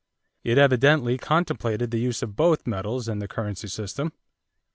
It evidently contemplated the use of both metals in the currency system.